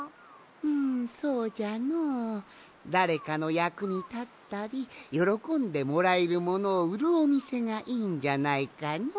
んそうじゃのだれかのやくにたったりよろこんでもらえるものをうるおみせがいいんじゃないかの？